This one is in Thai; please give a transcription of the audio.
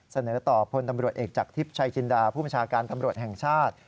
เสนอต่อพลตำรวจเอกจากทิพย์ชัยจินดาผู้บัญชาการตำรวจแห่งชาติ